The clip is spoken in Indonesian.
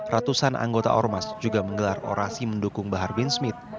ratusan anggota ormas juga menggelar orasi mendukung bahar bin smith